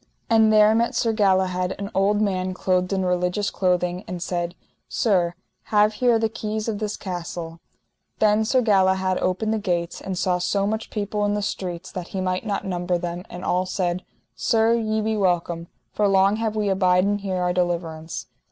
And there met Sir Galahad an old man clothed in religious clothing, and said: Sir, have here the keys of this castle. Then Sir Galahad opened the gates, and saw so much people in the streets that he might not number them, and all said: Sir, ye be welcome, for long have we abiden here our deliverance.